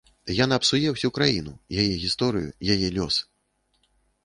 Яна псуе ўсю краіну, яе гісторыю, яе лёс.